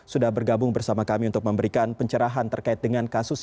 sudah bergabung bersama kami untuk memberikan pencerahan terkait dengan kasus